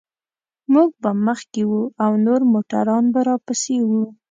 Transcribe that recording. موږ به مخکې وو او نور موټران به راپسې و.